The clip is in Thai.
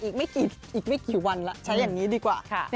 อีกไม่กี่วันแล้วใช้อย่างนี้ดีกว่า